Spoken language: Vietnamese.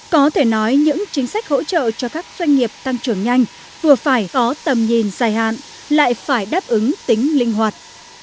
có thể nói những chính sách hỗ trợ cho các doanh nghiệp tăng trưởng nhanh vừa phải có tầm nhìn dài hạn lại phải đáp ứng tính linh hoạt